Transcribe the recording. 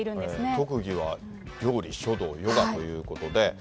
特技は、料理、書道、ヨガということで。